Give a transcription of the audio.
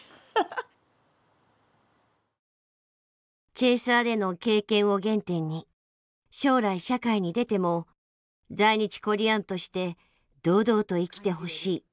チェーサーでの経験を原点に将来社会に出ても在日コリアンとして堂々と生きてほしい。